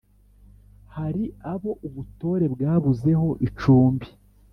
hari abo ubutore bwabuzeho icumbi,